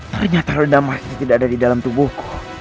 ternyata roda emas itu tidak ada di dalam tubuhku